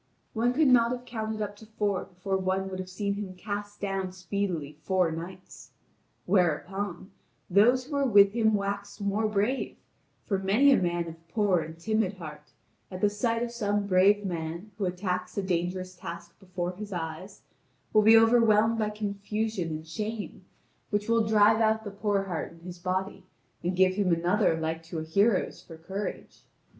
One could not have counted up to four before one would have seen him cast down speedily four knights. Whereupon, those who were with him waxed more brave, for many a man of poor and timid heart, at the sight of some brave man who attacks a dangerous task before his eyes, will be overwhelmed by confusion and shame, which will drive out the poor heart in his body and give him another like to a hero's for courage.